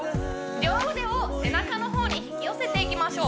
両腕を背中の方に引き寄せていきましょう